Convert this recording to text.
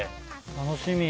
楽しみ。